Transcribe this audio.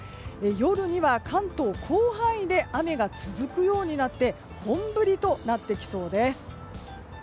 夜には関東、広範囲で雨が続き本降りとなってきそうです。